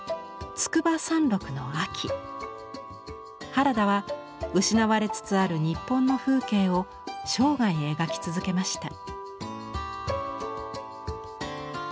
原田は失われつつある日本の風景を生涯描き続けました。